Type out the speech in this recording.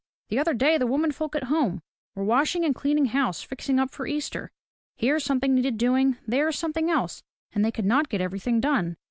The other day the women folk at home were washing and cleaning house, fixing up for Easter. Here something needed doing, there something else, and they could not get everything done.